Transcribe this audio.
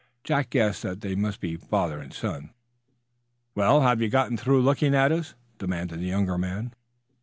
Jack guessed that they must be father and son. "Well, have you got through looking at us?" demanded the younger man.